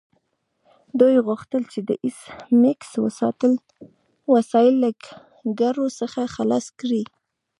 دوی غوښتل چې د ایس میکس وسایل له ګرو څخه خلاص کړي